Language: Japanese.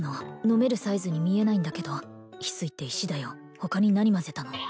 飲めるサイズに見えないんだけど翡翠って石だよ他に何混ぜたの？